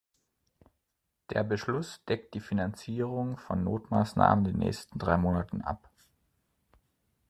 Der Beschluss deckt die Finanzierung von Notmaßnahmen in den nächsten drei Monaten ab.